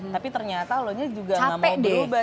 tapi ternyata lo nya juga gak mau berubah